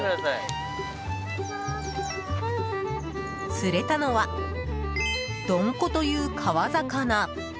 釣れたのは、ドンコという川魚。